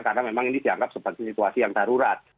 karena memang ini dianggap sebagai situasi yang darurat